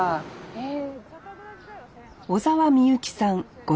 へえ。